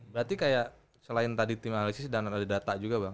berarti kayak selain tadi tim analisis dan ada data juga bang